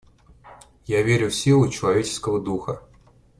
Я верю в силу человеческого духа».